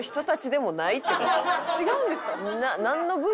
違うんですか？